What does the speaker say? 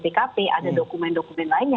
bpkp ada dokumen dokumen lain yang